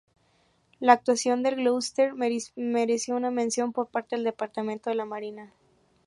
La actuación del "Gloucester" mereció una mención por parte del Departamento de la Marina.